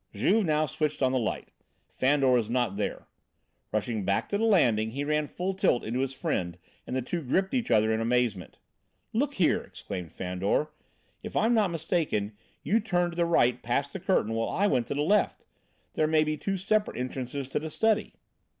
Juve now switched on the light. Fandor was not there. Rushing back to the landing he ran full tilt into his friend and the two gripped each other in amazement. "Look here," exclaimed Fandor, "if I'm not mistaken, you turned to the right past the curtain while I went to the left; there may be two separate entrances to the study."